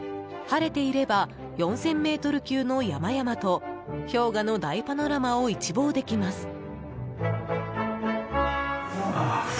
晴れていれば４０００ｍ級の山々と氷河の大パノラマを一望できます。